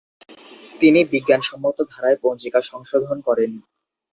তিনি বিজ্ঞানসম্মত ধারায় পঞ্জিকা সংশোধন করেন।